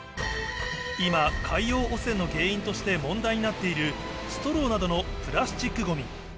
今海洋汚染の原因として問題になっているストローなどのプラスチックゴミ